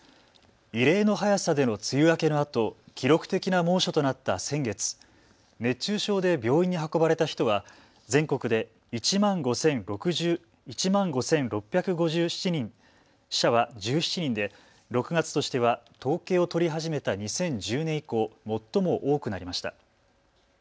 異例の早さでの梅雨明けのあと記録的な猛暑となった先月、熱中症で病院に運ばれた人は全国で１万５６５７人、死者は１７人で６月としては統計を取り始めた２０１０年以降、最も多くなりました。